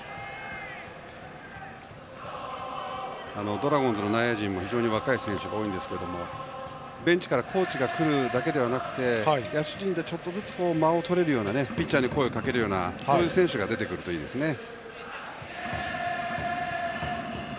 ドラゴンズの内野陣も非常に若い選手が多いんですがベンチからコーチが来るだけではなくて野手陣でちょっとずつ間をとれるようなピッチャーに声をかけるようなそういう選手が出てくるといいですね。